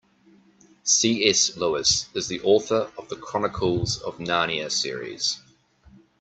C.S. Lewis is the author of The Chronicles of Narnia series.